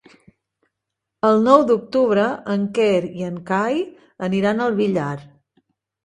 El nou d'octubre en Quer i en Cai aniran al Villar.